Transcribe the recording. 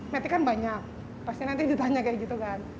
mati kan banyak pasti nanti ditanya kayak gitu kan